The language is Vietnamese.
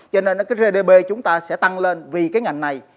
cho nên cái gdp chúng ta sẽ tăng lên vì cái ngành này